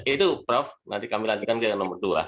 itu prof nanti kami lanjutkan dengan nomor dua